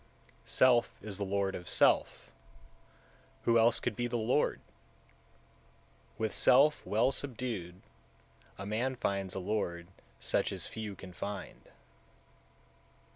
160. Self is the lord of self, who else could be the lord? With self well subdued, a man finds a lord such as few can find.